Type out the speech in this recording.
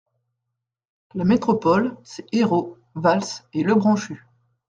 La métropole, c’est Ayrault, Valls et Lebranchu.